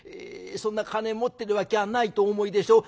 そんな金持ってるわきゃないとお思いでしょう。